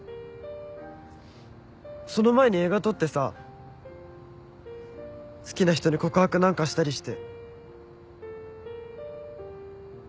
その前に映画撮ってさ好きな人に告白なんかしたりして。